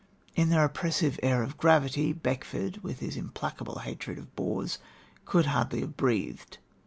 In their oppressive air of gravity, Beckford, with his implacable hatred of bores, could hardly have breathed.